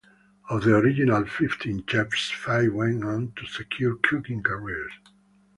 Of the original fifteen chefs, five went on to secure cooking careers.